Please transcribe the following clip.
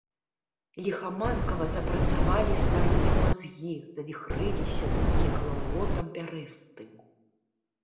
Ліхаманкава запрацавалі старыя мазгі, завіхрыліся думкі калаўротам пярэстым.